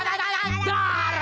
tidak ada tidak ada